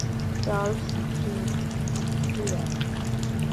Charles three, clear.